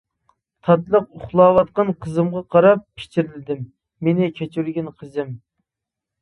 تاتلىق ئۇخلاۋاتقان قىزىمغا قاراپ پىچىرلىدىم: مېنى كەچۈرگىن قىزىم!